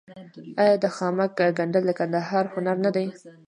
آیا د خامک ګنډل د کندهار هنر نه دی؟